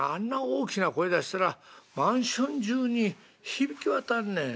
大きな声出したらマンション中に響き渡んねん。